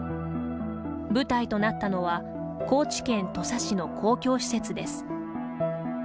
舞台となったのは高知県土佐市の公共施設です。